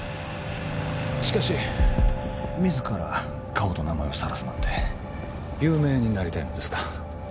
しかし自ら顔と名前をさらすなんて有名になりたいのですか？